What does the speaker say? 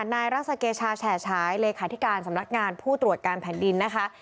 นายรักษาเกชาแฉฉายเลขาธิการสำนักงานผู้ตรวจการแผ่นดินนะคะ